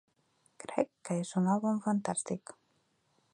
Crec que és un àlbum fantàstic.